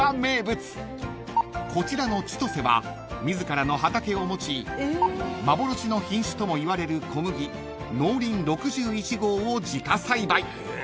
［こちらのちとせは自らの畑を持ち幻の品種ともいわれる小麦農林６１号を自家栽培］